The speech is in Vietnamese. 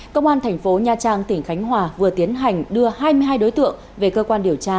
công an thành phố nha trang tỉnh khánh hòa vừa tiến hành đưa hai mươi hai đối tượng về cơ quan điều tra